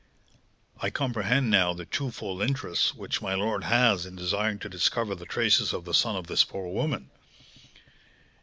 "I comprehend now the twofold interest which my lord has in desiring to discover the traces of the son of this poor woman."